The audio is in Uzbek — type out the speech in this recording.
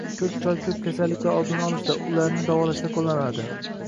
Ko‘k choy ko‘p kasalliklar oldini olishda, ularni davolashda qo‘llanadi.